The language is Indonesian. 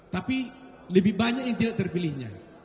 tapi lebih banyak yang tidak terpilihnya